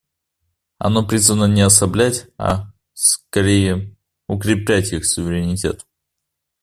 Оно призвано не ослаблять, а, скорее, укреплять их суверенитет.